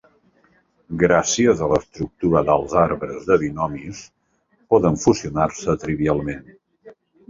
Gràcies a l'estructura dels arbres de binomis, poden fusionar-se trivialment.